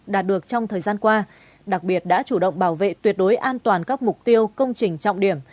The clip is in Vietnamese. đạt được trong thời gian qua đặc biệt đã chủ động bảo vệ tuyệt đối an toàn các mục tiêu công trình trọng điểm